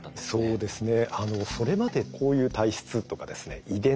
そうですね。